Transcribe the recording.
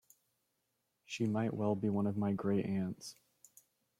She might well be one of my great aunts.